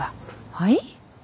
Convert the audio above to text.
はい？